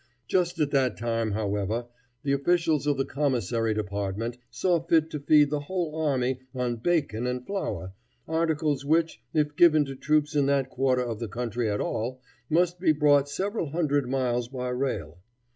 Just at that time, however, the officials of the commissary department saw fit to feed the whole army on bacon and flour, articles which, if given to troops in that quarter of the country at all, must be brought several hundred miles by rail.